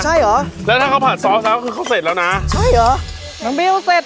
อ๋อใช่เหรอแล้วถ้าเขาผัดซอสแล้วคือเขาเสร็จแล้วนะใช่เหรอ